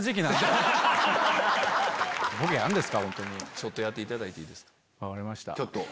ちょっとやっていただいていいですか。